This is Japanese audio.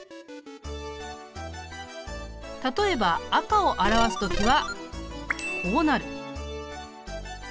例えば赤を表す時はこうなる。